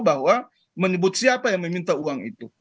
bahwa menyebut siapa yang meminta uang itu